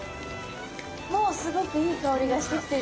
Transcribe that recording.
もうすごくいい香りがしてきてる。